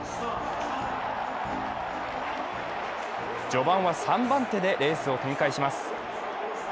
序盤は３番手でレースを展開します。